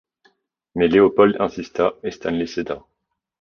Mais Léopold insista et Stanley céda.